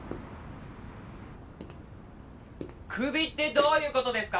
クビってどういうことですか！？